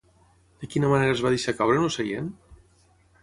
De quina manera es va deixar caure en el seient?